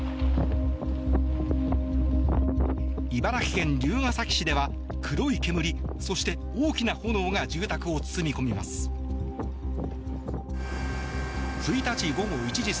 茨城県龍ケ崎市では黒い煙そして、大きな炎が住宅を包み込みます。